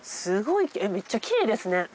すごいめっちゃきれいですね。